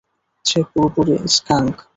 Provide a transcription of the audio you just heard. সে পুরোপুরি স্কাঙ্ক।